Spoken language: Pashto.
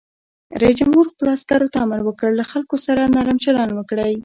رئیس جمهور خپلو عسکرو ته امر وکړ؛ له خلکو سره نرم چلند وکړئ!